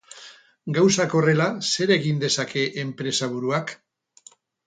Gauzak horrela, zer egin dezake enpresaburuak?